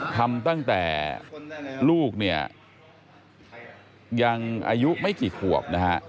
ทำตั้งแต่ลูกเนี่ยยังอายุไม่กี่ขวบนะฮะ